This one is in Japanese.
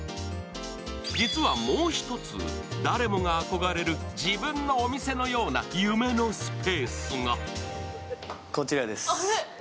実はもう一つ、誰もが憧れる自分のお店のような夢のスペースが。